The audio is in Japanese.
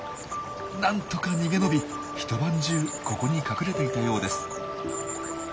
なんとか逃げ延び一晩中ここに隠れていたようです。